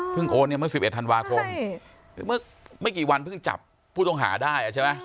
เพิ่งโอนเนี้ยเมื่อสิบเอ็ดธันวาคมใช่เมื่อกี้วันเพิ่งจับผู้ต้องหาได้อ่ะใช่ไหม